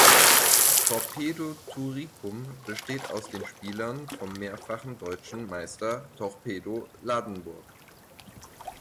Torpedo Turicum besteht aus den Spielern vom mehrfachen Deutschen Meister Torpedo Ladenburg.